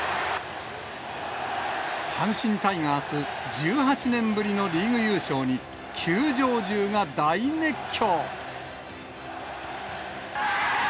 阪神タイガース、１８年ぶりのリーグ優勝に、球場中が大熱狂。